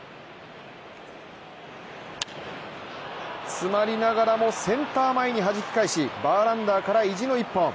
詰まりながらもセンター前にはじき返しバーランダーから意地の１本。